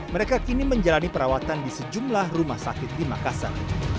mereka kini menjalani perawatan di sejumlah rumah sakit di makassar